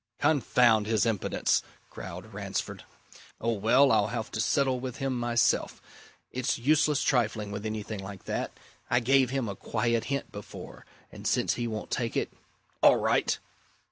"Confound his impudence!" growled Ransford. "Oh, well! I'll have to settle with him myself. It's useless trifling with anything like that. I gave him a quiet hint before. And since he won't take it all right!"